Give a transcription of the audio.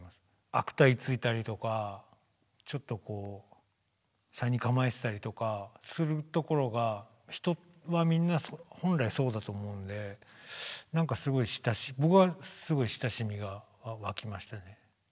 悪態ついたりとかちょっとこう斜に構えてたりとかするところが人はみんな本来そうだと思うんでなんかすごい僕はすごい親しみが湧きましたね。